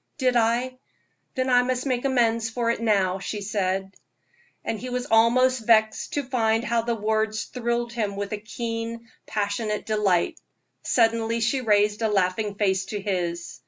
"Did I? Then I must make amends for it now," she said. And he was almost vexed to find how the words thrilled him with a keen, passionate delight. Suddenly she raised a laughing face to his.